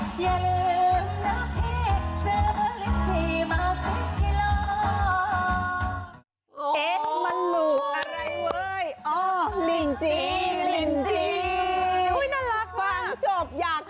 โคตรของเอกมันให้ลูกอะไรเว้ย